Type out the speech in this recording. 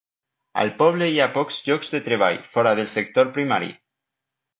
Al poble hi ha pocs llocs de treball fora del sector primari.